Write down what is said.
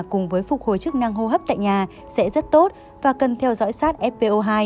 cùng với phục hồi chức năng hô hấp tại nhà sẽ rất tốt và cần theo dõi sát fpo hai